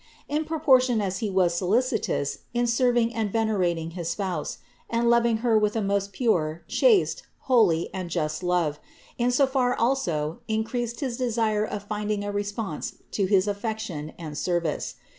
In proportion as he was solicitous in serving and venerating his Spouse, and loving Her with a most pure, chaste, holy and just love, in so far also increased his desire of finding a re sponse to his affection and service.